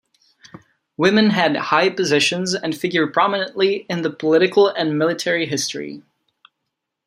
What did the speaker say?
Women had high positions and figure promininently in the political and military history.